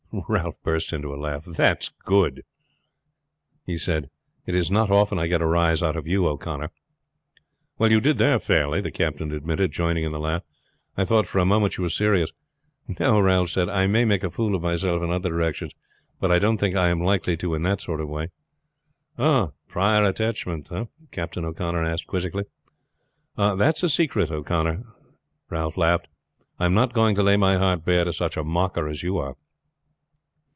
Ralph burst into a laugh. "That's good," he said. "It is not often I get a rise out of you, O'Connor." "Well, you did there fairly," the captain admitted, joining in the laugh. "I thought for a moment you were serious." "No," Ralph said. "I may make a fool of myself in other directions; but I don't think I am likely to in that sort of way." "Prior attachment eh?" Captain O'Connor asked quizzically. "Ah, that's a secret, O'Connor," Ralph laughed. "I am not going to lay my heart bare to such a mocker as you are."